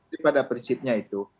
daripada prinsipnya itu